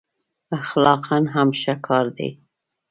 اخلاقأ هم ښه کار دی.